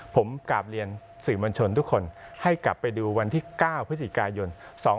ผมกราบเรียนสื่อมวลชนทุกคนให้กลับไปดูวันที่๙พฤศจิกายน๒๕๖